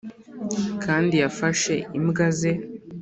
kandi yafashe imbwa ze